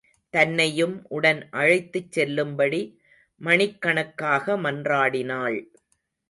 தன்னையும் உடன் அழைத்துச் செல்லும்படி மணிக்கணக்காக மன்றாடினாள்.